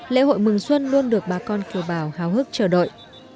lễ hội mừng xuân luôn được bà con kiều bào hào hức chờ đợi